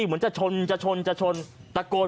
เหมือนจะชนจะชนจะชนตะโกน